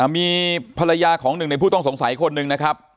มีภรรยาของหนึ่งในผู้ต้องสงสัยคนหนึ่งนะครับ